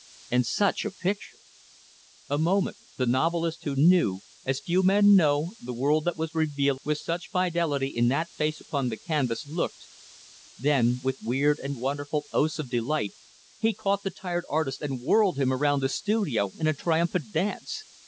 And such a picture! A moment, the novelist who knew as few men know the world that was revealed with such fidelity in that face upon the canvas, looked; then, with weird and wonderful oaths of delight, he caught the tired artist and whirled him around the studio, in a triumphant dance.